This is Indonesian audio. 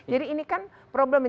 jadi ini kan problemnya